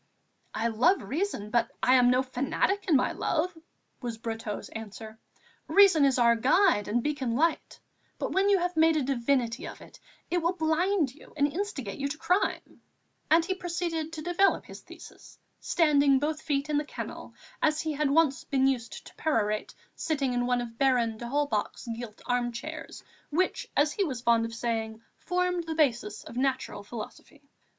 "I love reason, but I am no fanatic in my love," was Brotteaux's answer. "Reason is our guide and beacon light; but when you have made a divinity of it, it will blind you and instigate you to crime," and he proceeded to develop his thesis, standing both feet in the kennel, as he had once been used to perorate, seated in one of Baron d'Holbach's gilt armchairs, which, as he was fond of saying, formed the basis of natural philosophy.